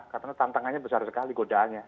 karena tantangannya besar sekali godaannya